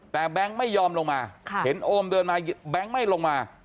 แต่แบงค์ไม่ยอมลงมาเห็นโอมเดินมาแบงค์ไม่ลงมา